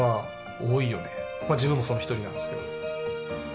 自分もその一人なんですけど。